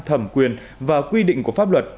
thẩm quyền và quy định của pháp luật